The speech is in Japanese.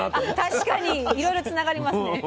確かにいろいろつながりますね。